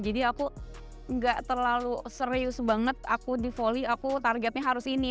jadi aku nggak terlalu serius banget aku di foli aku targetnya harus ini